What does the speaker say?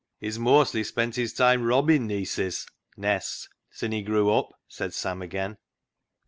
" He's moastly spent his time robbin' neeses (nests) sin' he grew up," said Sam again.